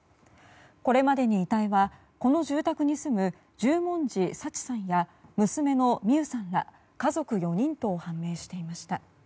これまでに遺体はこの住宅に住む十文字抄知さんや娘の弥羽さんら家族４人と判明していました。